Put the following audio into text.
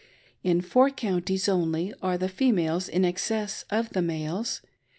In four counties only are the females in excess of the males.